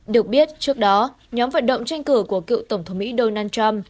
được biết trước đó nhóm vận động tranh cử của cựu tổng thống mỹ donald trump